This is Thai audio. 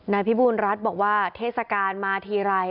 นายพิบูรณรัฐบอกว่าเทศกาลมาทีไร